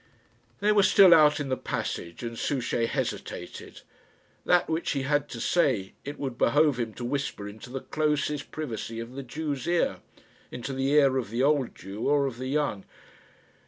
They were still out in the passage, and Souchey hesitated. That which he had to say it would behove him to whisper into the closest privacy of the Jew's ear into the ear of the old Jew or of the young.